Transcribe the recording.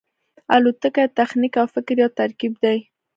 الوتکه د تخنیک او فکر یو ترکیب دی.